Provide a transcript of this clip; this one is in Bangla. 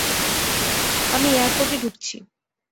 আমি এয়ারপোর্টে ঢুকছি।